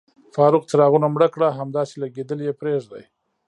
فاروق، څراغونه مړه کړه، همداسې لګېدلي یې پرېږدئ.